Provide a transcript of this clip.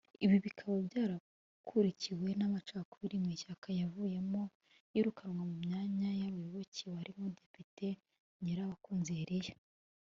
Ibi bikaba byarakurikiwe n’amacakubiri mu ishyaka yavuyemo iyirukanwa mu myanya ry’abayoboke barimo Depite Ngirabakunzi Elie